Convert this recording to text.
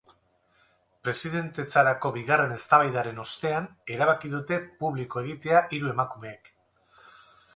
Presidentetzarako bigarren eztabaidaren ostean erabaki dute publiko egitea hiru emakumeek.